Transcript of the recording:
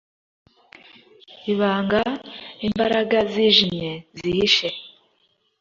ibanga, imbaraga zijimye zihishe.